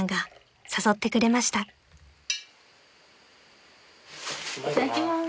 いただきます。